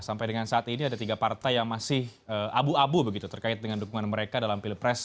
sampai dengan saat ini ada tiga partai yang masih abu abu begitu terkait dengan dukungan mereka dalam pilpres